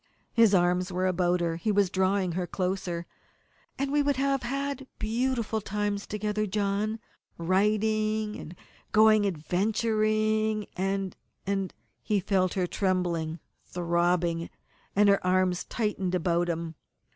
His arms were about her. He was drawing her closer. "And we would have had beautiful times together, John writing, and going adventuring, and and " He felt her trembling, throbbing, and her arms tightened about him.